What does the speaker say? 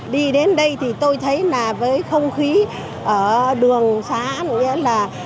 đi đến đây tôi thấy không khí ở đường xá